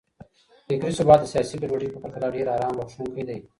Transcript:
فکري ثبات د سياسي ګډوډۍ په پرتله ډېر آرام بښونکی دی.